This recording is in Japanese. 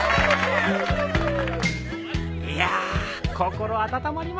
いや心温まりますねえ。